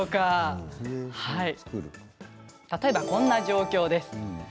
例えば、こんな状況です。